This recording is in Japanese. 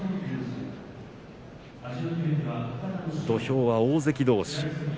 土俵は大関どうし。